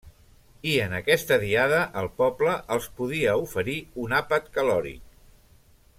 I en aquesta diada el poble els podia oferir un àpat calòric.